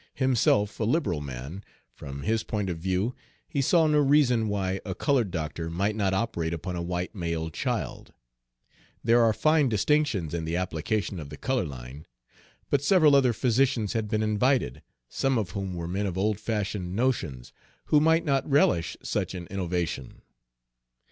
Himself a liberal man, from his point of view, he saw no reason why a colored doctor might not operate upon a white male child, there are fine distinctions in the application of the color line, but several other physicians had been invited, some of whom were men of old fashioned notions, who might not relish such an innovation.